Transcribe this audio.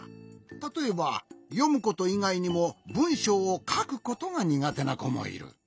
たとえばよむこといがいにもぶんしょうをかくことがにがてなこもいる。